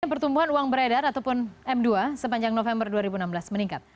pertumbuhan uang beredar ataupun m dua sepanjang november dua ribu enam belas meningkat